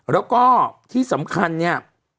แล้วก็ที่สำคัญเนี่ย